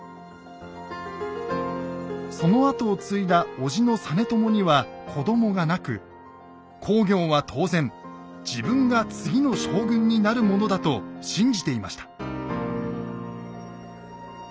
その跡を継いだ叔父の実朝には子どもがなく公暁は当然自分が次の将軍になるものだと信じていました。